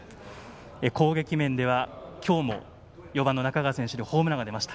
攻撃面ではきょうも４番の中川選手ホームランが出ました。